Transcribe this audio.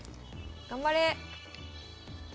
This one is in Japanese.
頑張れ！